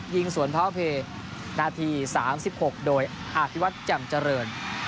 ยิงสวนพร้าวเพลนาที๓๖โดยอภิวัตรจ่ำเจริญ